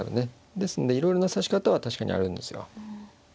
ですんでいろいろな指し方は確かにあるんですよ。